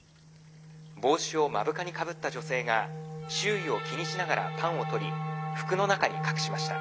帽子を目深にかぶった女性が周囲を気にしながらパンをとり服の中に隠しました」。